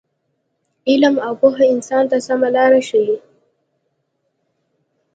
علم او پوهه انسان ته سمه لاره ښیي.